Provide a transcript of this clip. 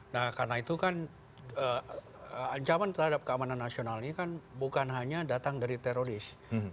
nah karena itu kan ancaman terhadap keamanan nasional ini kan bukan hanya datang dari teroris